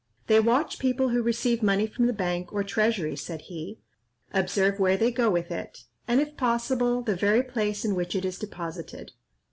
"They watch people who receive money from the bank or treasury," said he, "observe where they go with it, and, if possible, the very place in which it is deposited.